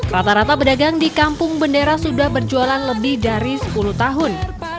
rata rata pedagang di kampung bendera sudah berjualan lebih dari sepuluh tahun